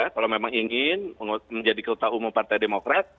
kalau memang ingin menjadi ketua umum partai demokrat